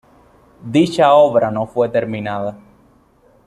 Dicha obra no fue terminada.